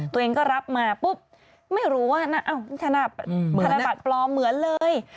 ตัวเองก็รับมาปุ๊บไม่รู้ว่าถนัดธนบัตรปลอมเหมือนเลย